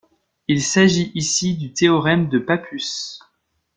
Il s'agit ici du théorème de Pappus.